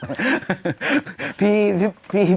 อือหนูงง